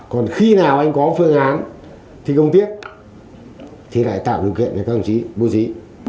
còn khi nào anh có phương án thi công tiếp thì lại tạo điều kiện cho các công trí bố trí